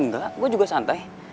nggak gue juga santai